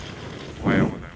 おはようございます。